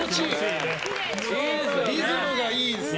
リズムがいいですね。